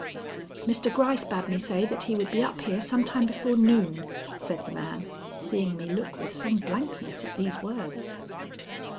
"Mr. Gryce bade me say that he would be up here some time before noon," said the man, seeing me look with some blankness at these words.